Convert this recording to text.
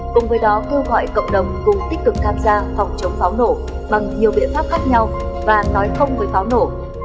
cùng với đó kêu gọi cộng đồng cùng tích cực tham gia phòng chống pháo nổ bằng nhiều biện pháp khác nhau và nói không với pháo nổ